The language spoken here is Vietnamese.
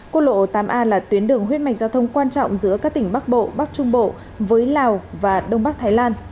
quốc lộ tám a là tuyến đường huyết mạch giao thông quan trọng giữa các tỉnh bắc bộ bắc trung bộ với lào và đông bắc thái lan